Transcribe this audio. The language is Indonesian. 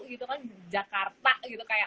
gitu kan jakarta gitu kayak